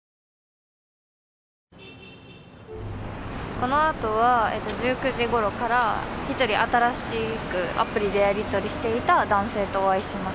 このあとは１９時ごろから１人新しくアプリでやりとりしていた男性とお会いします。